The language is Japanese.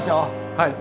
はい。